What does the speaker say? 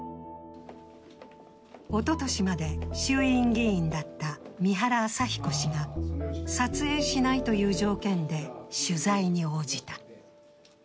おととしまで衆院議員だった三原朝彦氏が撮影しないという条件で取材に応じた。